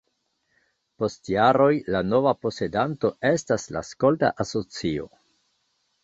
Post jaroj la nova posedanto estas la skolta asocio.